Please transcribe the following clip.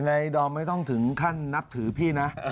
ดอมไม่ต้องถึงขั้นนับถือพี่นะ